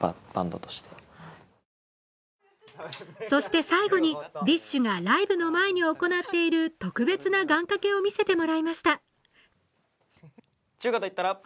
そして最後に、ＤＩＳＨ／／がライブの前に行っている特別な願かけを見せてもらいました。